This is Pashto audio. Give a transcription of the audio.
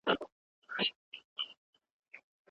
مطبوعاتو په ازاده توګه فعالیت کاوه.